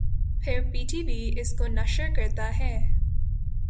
پھر P T V اس کو نشر کرتا ہے